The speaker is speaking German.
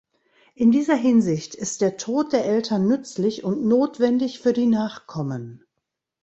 In dieser Hinsicht ist der Tod der Eltern nützlich und notwendig für die Nachkommen.